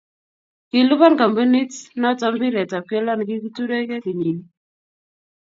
kiluban kambinit noto mpiret ab kelto nekikiturekei kenyini.